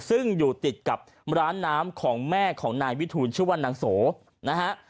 ซึ่งอยู่ติดกับร้านน้ำของแม่ของนายวิทูลชื่อว่านางโสนะฮะ